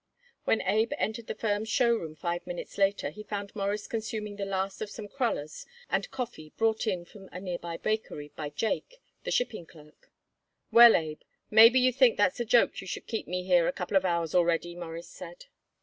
When Abe entered the firm's show room five minutes later he found Morris consuming the last of some crullers and coffee brought in from a near by bakery by Jake, the shipping clerk. "Well, Abe, maybe you think that's a joke you should keep me here a couple of hours already," Morris said.